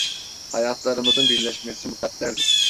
Hayatlarımızın birleşmesi mukadderdi.